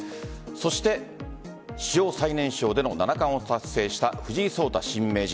そして史上最年少での七冠を達成した藤井聡太新名人。